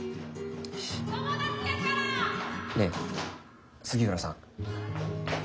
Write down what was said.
ねえ杉浦さん。